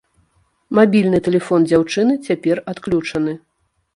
Мабільны тэлефон дзяўчыны цяпер адключаны.